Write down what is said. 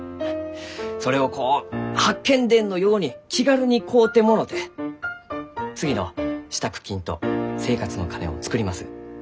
それをこう「八犬伝」のように気軽に買うてもろて次の支度金と生活の金を作ります。